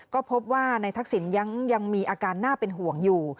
ก็พบว่านายทักษิณยังมีอาการน่าเป็นห่วงอยู่